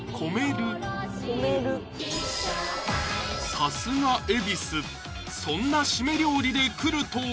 さすが恵比寿そんなシメ料理でくるとは！